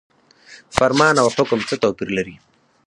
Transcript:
فرمان او حکم څه توپیر لري؟